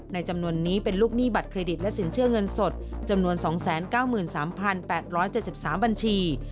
จำนวนนี้เป็นลูกหนี้บัตรเครดิตและสินเชื่อเงินสดจำนวน๒๙๓๘๗๓บัญชี